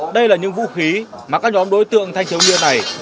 đây là những vũ khí mà các nhóm đối tượng thanh thiếu nhiên này